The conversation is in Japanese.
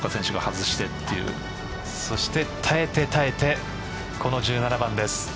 そして、耐えて耐えてこの１７番です。